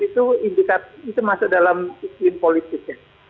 itu di rsf itu masuk dalam sisi politiknya